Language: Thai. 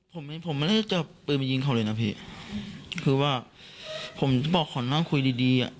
ผมไม่ได้จับปืนไปยิงเขาเลยนะพี่คือว่าผมบอกของเขาน่าคุยดี